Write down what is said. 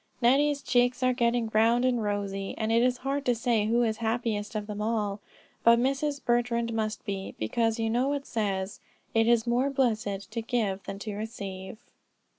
Nettie's cheeks are getting round and rosy, and it is hard to say who is happiest of them all; but Mrs. Bertrand must be, because you know it says: "It is more blessed to give than to receive."